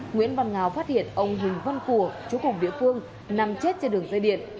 nguyễn văn ngào phát hiện ông huỳnh văn cùa chú cùng địa phương nằm chết trên đường dây điện